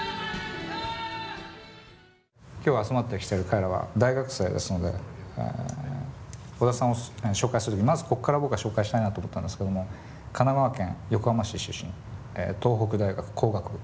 今日集まってきてる彼らは大学生ですので小田さんを紹介する時にまずここから僕は紹介したいなと思ったんですけども神奈川県横浜市出身東北大学工学部。